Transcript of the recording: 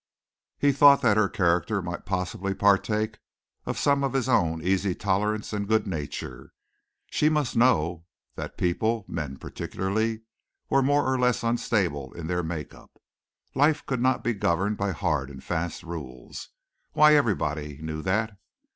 He thought that her character might possibly partake of some of his own easy tolerance and good nature. She must know that people men particularly were more or less unstable in their make up. Life could not be governed by hard and fast rules. Why, everybody knew that.